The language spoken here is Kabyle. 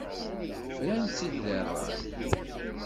Fran-tt-id deg ṛṛay.